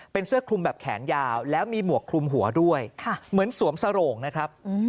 เป็นเสื้อคลุมแบบแขนยาวแล้วมีหมวกคลุมหัวด้วยเหมือนสวมสโรงนะครับ